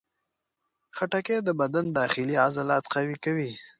خټکی د بدن داخلي عضلات قوي کوي.